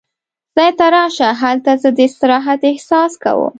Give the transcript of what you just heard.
ځای ته راشه، هلته زه د راحت احساس کوم.